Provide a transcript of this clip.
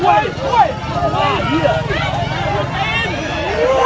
เฮียเฮียเฮีย